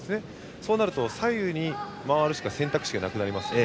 そうなると、左右に回るしか選択肢がなくなります。